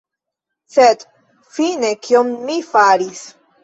Sed fine kion mi faris?